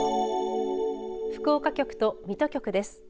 福岡局と水戸局です。